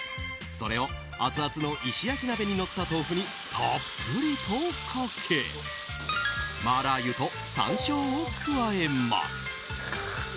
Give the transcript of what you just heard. それをアツアツの石焼き鍋にのった豆腐にたっぷりとかけ麻辣油と山椒を加えます。